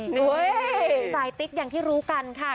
สายติ๊กอย่างที่รู้กันค่ะ